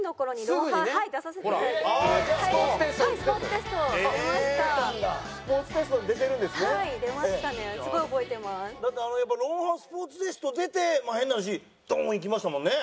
『ロンハー』のスポーツテスト出てまあ変な話ドーンいきましたもんね。